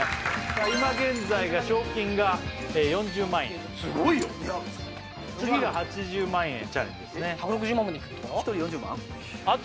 今現在が賞金が４０万円・すごいよ次が８０万円チャレンジですね・１６０万までいくってこと？